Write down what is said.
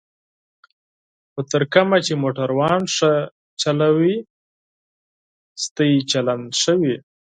خو تر کومه چې موټران ښه چلوئ او ستاسو چلند ښه وي.